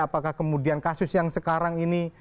apakah kemudian kasus yang sekarang ini